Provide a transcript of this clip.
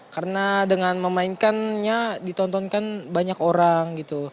karena dengan memainkannya ditontonkan banyak orang gitu